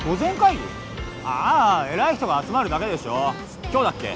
ああ偉い人が集まるだけでしょ今日だっけ？